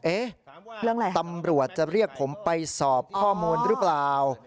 ตำรวจจะเรียกผมไปสอบข้อมูลหรือเปล่า